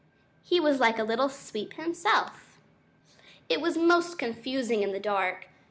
He was like a little sweep himself. It was most confusing in the dark.